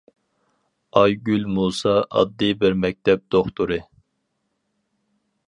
ئايگۈل مۇسا ئاددىي بىر مەكتەپ دوختۇرى.